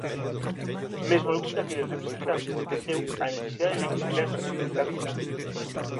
Mesmo algún daqueles representantes defendeu a necesidade de que se crease un sindicato propio.